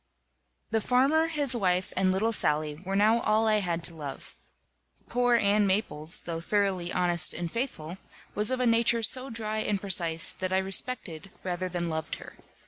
The farmer, his wife, and little Sally were now all I had to love. Poor Ann Maples, though thoroughly honest and faithful, was of a nature so dry and precise that I respected rather than loved her.